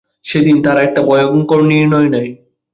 সেদিন, তারা একটা ভয়ংকর নির্ণয় নেয়।